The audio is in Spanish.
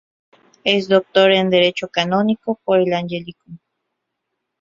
Es doctor en Derecho Canónico por el Angelicum.